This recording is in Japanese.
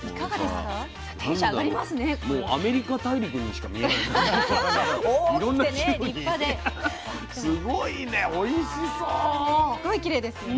すっごいきれいですよ。